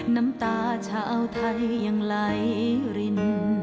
น้ำตาชาวไทยยังไหลริน